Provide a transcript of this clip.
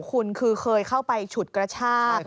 คุณคือเคยเข้าไปฉุดกระชาก